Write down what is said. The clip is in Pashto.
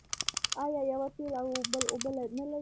آیا یوه تېل او بل اوبه نلري؟